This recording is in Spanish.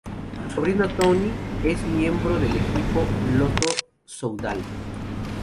Su sobrino Tony es miembro del equipo Lotto-Soudal.